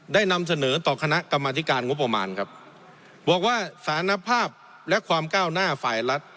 นำเสนอต่อคณะกรรมธิการงบประมาณครับบอกว่าสารภาพและความก้าวหน้าฝ่ายรัฐ